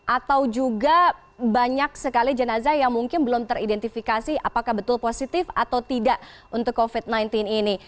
atau juga banyak sekali jenazah yang mungkin belum teridentifikasi apakah betul positif atau tidak untuk covid sembilan belas ini